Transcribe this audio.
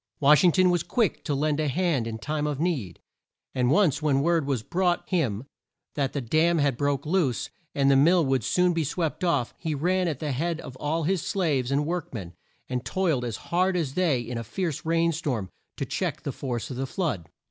Wash ing ton was quick to lend a hand in time of need, and once when word was brought him that the dam had broke loose, and the mill would soon be swept off, he ran at the head of all his slaves and work men, and toiled as hard as they in a fierce rain storm, to check the force of the flood.